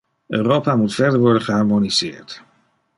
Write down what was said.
Europa moet verder worden geharmoniseerd.